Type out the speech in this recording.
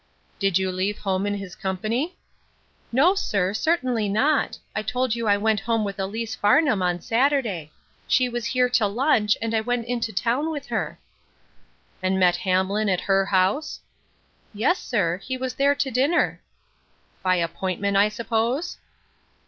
" Did you leave home in his company ?"" No, sir ; certainly not. I told you I went home with Ellice Farnham on Saturday. She was here to lunch, and I went into town with her." "And met Hamlin at her house?" " Yes, sir ; he was there to dinner." " By appointment, I suppose